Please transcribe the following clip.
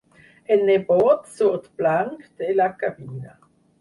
El nebot surt blanc de la cabina.